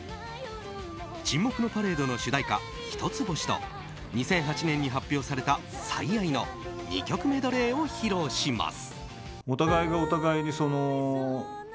「沈黙のパレード」の主題歌「ヒトツボシ」と２００８年に発表された「最愛」の２曲メドレーを披露します。